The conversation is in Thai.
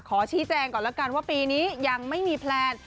ขอชี้แจงก่อนแล้วกันว่าปีนี้ยังไม่มีแพลน